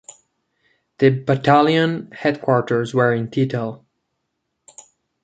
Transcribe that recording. The battalion headquarters were in Titel.